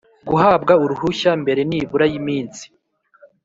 guhabwa uruhushya mbere nibura y iminsi